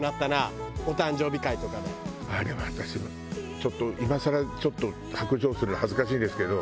でも私ちょっと今更ちょっと白状するの恥ずかしいんですけど。